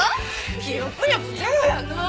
記憶力ゼロやなあ。